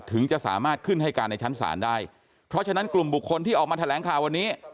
ถึงจะสามารถขึ้นให้การในชั้นศาลได้เพราะฉะนั้นกลุ่มบุคคลที่ออกมาแถลงข่าววันนี้